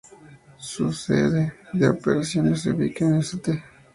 Su sede de operaciones se ubica en St.